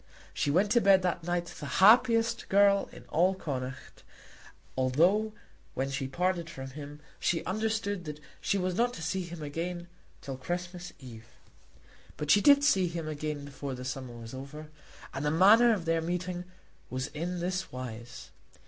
She went to bed that night the happiest girl in all Connaught, although when she parted from him she understood that she was not to see him again till Christmas Eve. But she did see him again before the summer was over, and the manner of their meeting was in this wise.